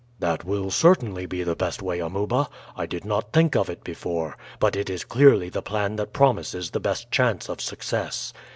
"That will certainly be the best way, Amuba. I did not think of it before, but it is clearly the plan that promises the best chance of success.